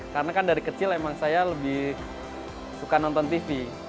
karena kan dari kecil emang saya lebih suka nonton tv